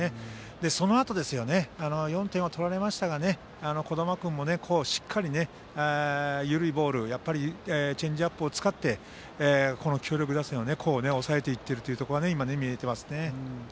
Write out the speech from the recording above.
そのあと、４点は取られましたが児玉君も、しっかり緩いボールチェンジアップを使って強力打線を抑えていっているところが見えていますよね。